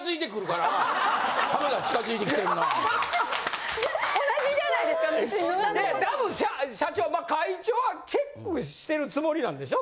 たぶん社長会長はチェックしてるつもりなんでしょ？